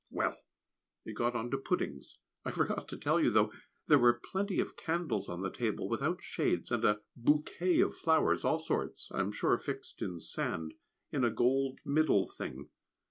Well, it got on to puddings. I forgot to tell you, though, there were plenty of candles on the table, without shades, and a "bouquet" of flowers, all sorts (I am sure fixed in sand), in a gold middle thing.